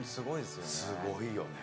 すごいよね。